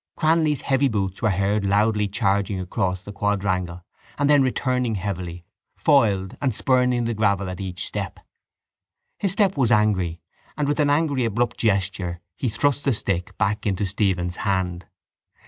Cranly's heavy boots were heard loudly charging across the quadrangle and then returning heavily, foiled and spurning the gravel at each step. His step was angry and with an angry abrupt gesture he thrust the stick back into Stephen's hand.